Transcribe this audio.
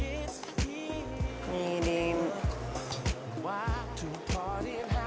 みりん。